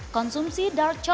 konsumsi dark coklat